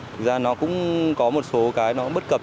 thực ra nó cũng có một số cái nó bất cập